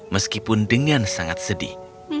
meskipun dengan sangat sedih